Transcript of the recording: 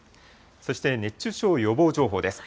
そして熱中症予防情報です。